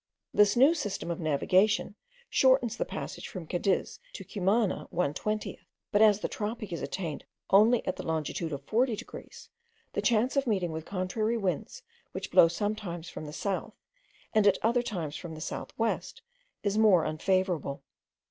This new system of navigation shortens the passage from Cadiz to Cumana one twentieth; but as the tropic is attained only at the longitude of forty degrees, the chance of meeting with contrary winds, which blow sometimes from the south, and at other times from the south west, is more unfavourable.